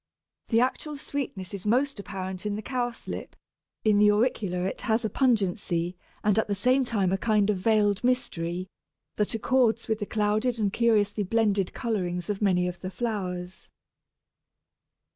The actual sweetness is most apparent in the Cowslip; in the Auricula it has a pungency, and at the same time a kind of veiled mystery, that accords with the clouded and curiously blended colourings of many of the flowers.